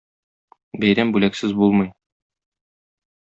Бәйрәм бүләксез булмый.